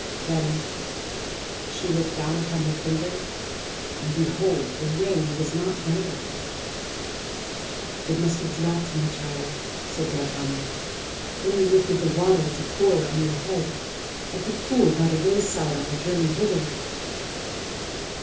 Then she looked down upon her finger and behold the ring was not there !" It must have dropped, my child," said Gautami, " when you lifted the water to pour on your head at the pool by the wayside on our journey hither."